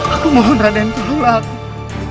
aku mohon raden kedua aku